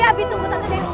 abi tunggu tante dewi